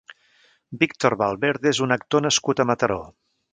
Víctor Valverde és un actor nascut a Mataró.